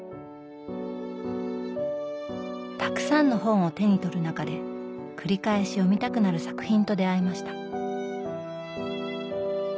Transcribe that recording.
たくさんの本を手に取る中で繰り返し読みたくなる作品と出会いました。